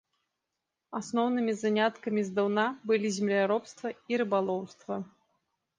Асноўнымі заняткамі здаўна былі земляробства і рыбалоўства.